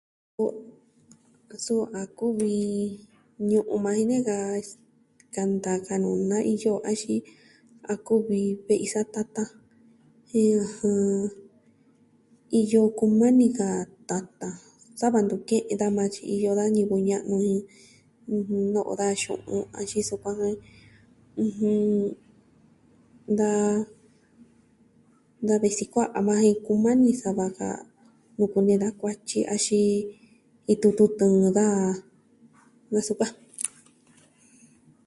Ku, suu a kuvi ñu'un maa jini ka kanta nuu na iyo axin a kuvi ji ve'i sa'a tatan, jen, ɨjɨn, iyo kumani ka tatan sava ntu ke'en daja majan tyi iyo da ñivɨ ña'nu jen no'o daja xu'un. Axin sukuan jen, ɨjɨn, da ve'i sukuan a yukuan jen kumani sava ka nuu kunee da kuatyi axin iin tutu tɨɨn daja. Nku sukuan.